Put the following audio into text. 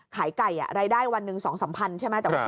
ขายไก่รายได้วันหนึ่ง๒๓พันใช่ไหม